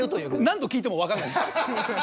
何度聞いてもわからないです。